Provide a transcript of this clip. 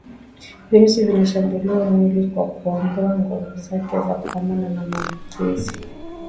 virusi vinashambulia mwili kwa kuondoa nguvu zake za kupambana na maambukizi